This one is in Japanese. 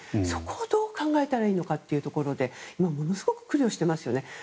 そこをどう考えたらいいのかというところでものすごく苦慮していますね。